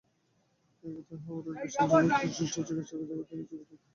এতে হাওরের বিশাল জনগোষ্ঠী সুষ্ঠু চিকিৎসাসেবা থেকে যুগ যুগ ধরে বঞ্চিত হচ্ছে।